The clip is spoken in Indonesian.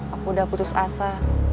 aku udah putus asa